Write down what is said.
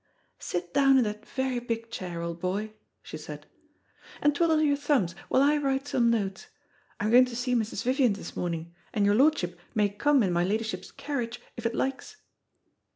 "Sit down in that very big chair, old boy," she said, "and twiddle your thumbs while I write some notes. I'm going to see Mrs. Vivian this morning, and your lordship may come in my ladyship's carriage if it likes.